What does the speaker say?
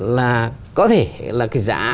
là có thể là cái giá